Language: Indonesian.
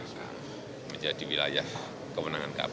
menjadi wilayah kemenangan kpk